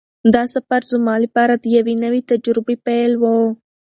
دا سفر زما لپاره د یوې نوې تجربې پیل و.